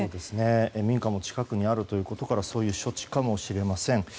民家も近くにあることからそういう処置かもしれません。